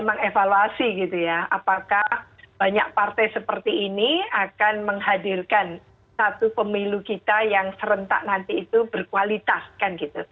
mengevaluasi gitu ya apakah banyak partai seperti ini akan menghadirkan satu pemilu kita yang serentak nanti itu berkualitas kan gitu